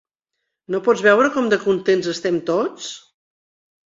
No pots veure com de contents estem tots?